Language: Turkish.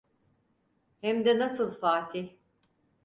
Hem de nasıl Fatih…